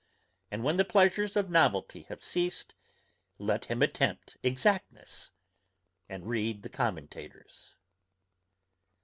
And when the pleasures of novelty have ceased, let him attempt exactness, and read the commentators.